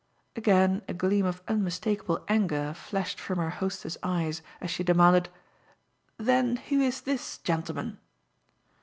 Again a gleam of unmistakable anger flashed from our hostess' eyes as she demanded: "Then who is this gentleman?"